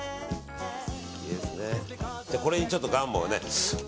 これにちょっと、がんもをね。